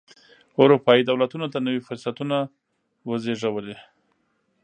اروپايي دولتونو ته نوي فرصتونه وزېږولې.